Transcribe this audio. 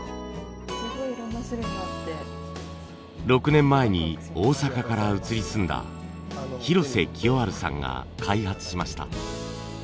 ６年前に大阪から移り住んだ廣瀬圭治さんが開発しました。